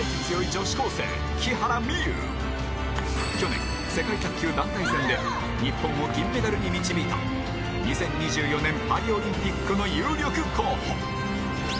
去年世界卓球団体戦で日本を銀メダルに導いた２０２４年パリオリンピックの有力候補！